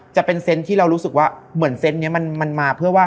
จะเป็นเซนต์ที่เรารู้สึกว่าเหมือนเซนต์นี้มันมาเพื่อว่า